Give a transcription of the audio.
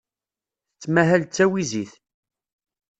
Tettmahal d tawizit.